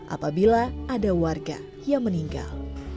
apabila ada warga yang meninggal